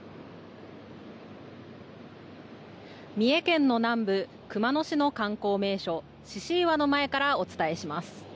三重県の南部熊野市の観光名所獅子岩の前からお伝えします。